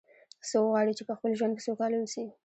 څوک غواړي چې په خپل ژوند کې سوکاله و اوسي